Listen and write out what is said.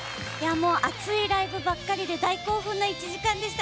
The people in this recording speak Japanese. もう熱いライブばかりで大興奮の１時間でした。